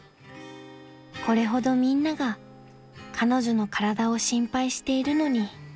［これほどみんなが彼女の体を心配しているのに］